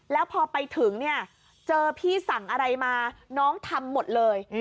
แล้วพอไปถึงเนี่ยเจอพี่สั่งอะไรมาน้องทำหมดเลย